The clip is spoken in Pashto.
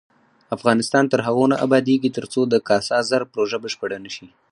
افغانستان تر هغو نه ابادیږي، ترڅو د کاسا زر پروژه بشپړه نشي.